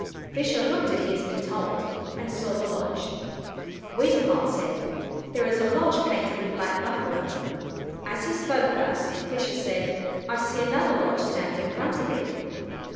Fisher looked as he had been told, and saw the lodge. Weasel Heart said, "There is a lodge painted with black buffalo." As he spoke thus, Fisher said, "I see another lodge, standing in front of it."